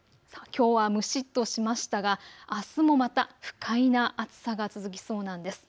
きょうは蒸しっとしましたがあすもまた不快な暑さが続きそうなんです。